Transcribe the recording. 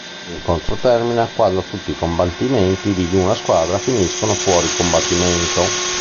L'incontro termina quando tutti i combattimenti di una squadra finiscono fuori combattimento.